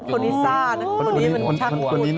หัว